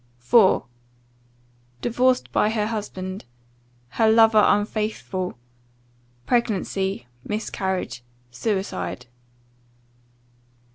IV. "Divorced by her husband Her lover unfaithful Pregnancy Miscarriage Suicide."